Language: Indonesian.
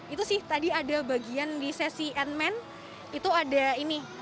itu sih tadi ada bagian di sesi en man itu ada ini